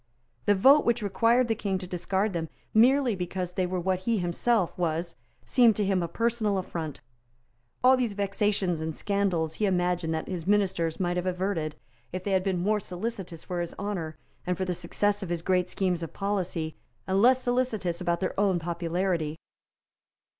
The vote which required the King to discard them merely because they were what he himself was seemed to him a personal affront. All these vexations and scandals he imagined that his ministers might have averted, if they had been more solicitous for his honour and for the success of his great schemes of policy, and less solicitous about their own popularity.